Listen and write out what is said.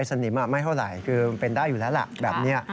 สนิมไม่เท่าไรคือเป็นได้อยู่แล้วแบบนี้